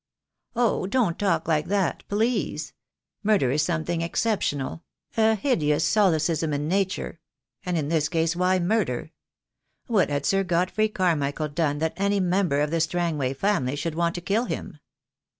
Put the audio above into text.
"Oh, don't talk like that please. Murder is some thing exceptional — a hideous solecism in nature — and in this case why murder? What had Sir Godfrey Carmichael done that any member of the Strangway family should want to kill him?"